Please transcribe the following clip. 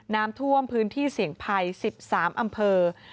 น้ำท่วมพื้นที่เสี่ยงภัย๑๓อำเภอ